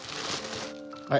はい。